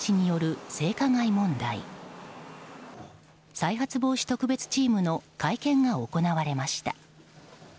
再発防止特別チームの会見が行われました。